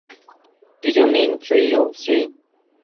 Did you mean "tree" or "three"?